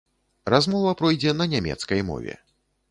Размова пройдзе на нямецкай мове.